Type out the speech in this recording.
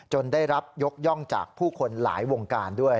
ได้รับยกย่องจากผู้คนหลายวงการด้วย